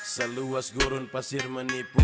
seluas gurun pasir menipu